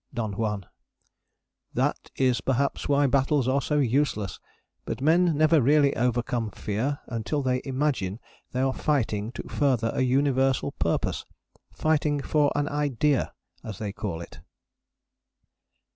DON JUAN. That is perhaps why battles are so useless. But men never really overcome fear until they imagine they are fighting to further a universal purpose fighting for an idea, as they call it.